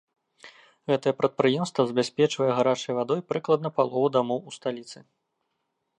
Гэтае прадпрыемства забяспечвае гарачай вадой прыкладна палову дамоў у сталіцы.